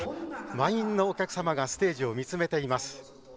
満員のお客様がステージを見つめています。